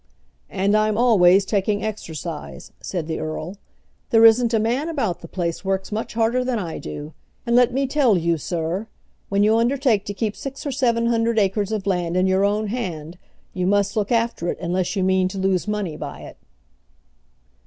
"And I'm always taking exercise," said the earl. "There isn't a man about the place works much harder than I do. And, let me tell you, sir, when you undertake to keep six or seven hundred acres of land in your own hand, you must look after it, unless you mean to lose money by it."